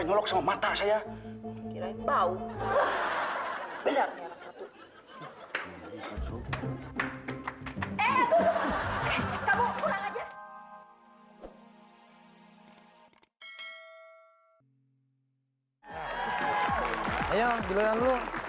ngolok sama mata saya kirain bau benar benar satu satu kamu kurang aja